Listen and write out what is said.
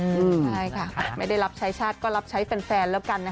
ใช่ค่ะไม่ได้รับใช้ชาติก็รับใช้แฟนแล้วกันนะคะ